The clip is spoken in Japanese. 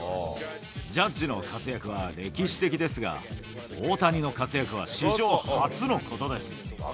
ジャッジの活躍は歴史的ですが、オオタニの活躍は史上初のことです。